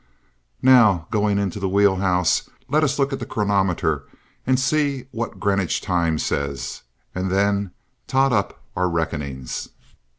"Now," going into the wheel house, "let us look at the chronometer and see what Greenwich time says, and then tot up our reckonings!"